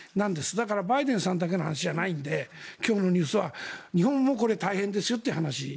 だからバイデンさんだけの問題じゃないので今日のニュースは、日本もこれは大変ですよという話。